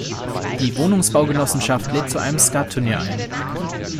Die Wohnungsbaugenossenschaft lädt zu einem Skattunier ein.